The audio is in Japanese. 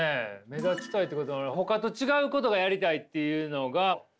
「目立ちたい」ってことはほかと違うことがやりたいっていうのが。